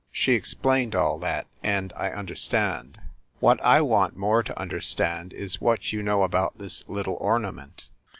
She explained all that, and I understand. What I want more to understand is what you know about this little ornament."